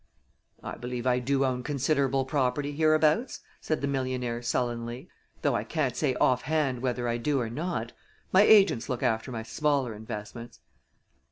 "I believe I do own considerable property hereabouts," said the millionaire, sullenly, "though I can't say offhand whether I do or not. My agents look after my smaller investments."